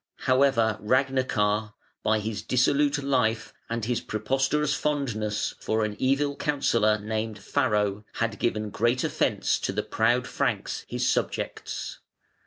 However Ragnachar, by his dissolute life and his preposterous fondness for an evil counsellor named Farro, had given great offence to the proud Franks, his subjects.